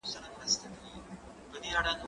زه اوږده وخت د ښوونځی لپاره امادګي نيسم وم؟!